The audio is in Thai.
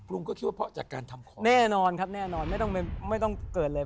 ลุงก็คิดว่าเพราะจากการทำของแน่นอนครับแน่นอนไม่ต้องไม่ต้องเกิดเลย